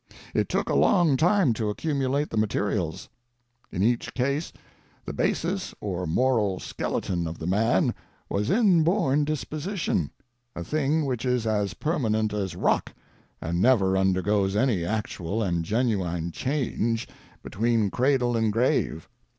It took a long time to accumulate the materials. In each case, the basis or moral skeleton of the man was inborn disposition — a thing which is as permanent as rock, and never undergoes any actual and genuine change between cradle and grave.